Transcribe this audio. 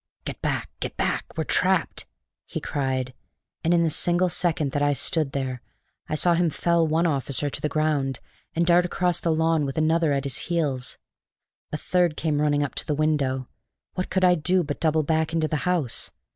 "Get back! Get back! We're trapped!" he cried; and in the single second that I stood there, I saw him fell one officer to the ground, and dart across the lawn with another at his heels. A third came running up to the window. What could I do but double back into the house?